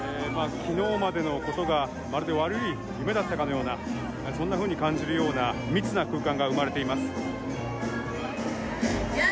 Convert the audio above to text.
昨日までのことがまるで悪い夢だったかのようなそんなふうに感じるような密な空間が生まれています。